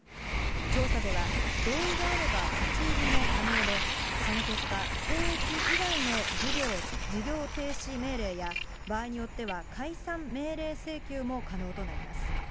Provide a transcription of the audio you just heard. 調査では、同意があれば立ち入りも可能で、その結果、公益以外の事業停止命令や、場合によっては解散命令請求も可能となります。